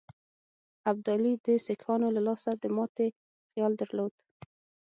ابدالي د سیکهانو له لاسه د ماتي خیال درلود.